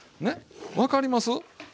分かります？